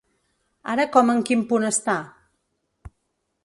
Ara com en quin punt està?